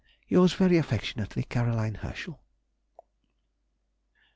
Yours very affectionately, C. HERSCHEL.